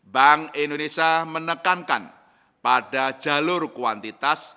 bank indonesia menekankan pada jalur kuantitas